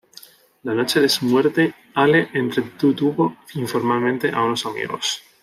La noche de su muerte, Hale entretuvo informalmente a unos amigos.